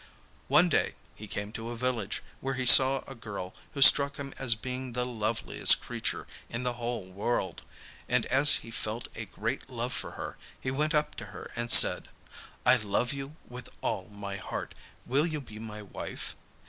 One day he came to a village, where he saw a girl who struck him as being the loveliest creature in the whole world, and as he felt a great love for her, he went up to her and said: 'I love you with all my heart; will you be my wife?